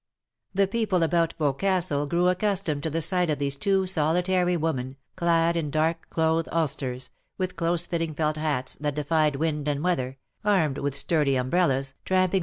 The people about Boscastle grew accustoraed to the sight of those two solitary women, clad in dark cloth ulsters, with close fitting felt hats, that defied wind and weather, armed with sturdy umbrellas, tramping